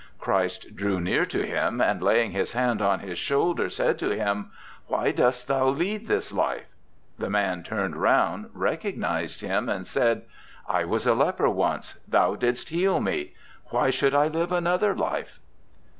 Christ drew near to him, and laying His hand on his shoulder said to him, "Why dost thou lead this life?" The man turned round, recognized Him and said, "I was a leper once; Thou didst heal me. Why should I live another life?